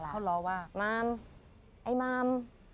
เรื่องรอว่ามัมไอ้มัม